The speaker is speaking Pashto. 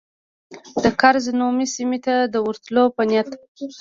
د کرز نومي سیمې ته د ورتلو په نیت.